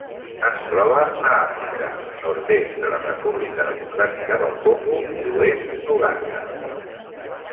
Es troba a Àfrica: nord-est de la República Democràtica del Congo i oest d'Uganda.